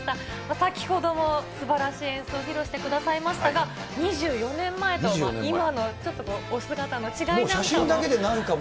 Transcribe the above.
先ほどもすばらしい演奏を披露してくださいましたが、２４年前と今のちょっと、お姿の違いなんかも。